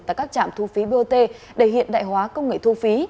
tại các trạm thu phí bot để hiện đại hóa công nghệ thu phí